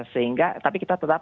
sehingga tapi kita tetap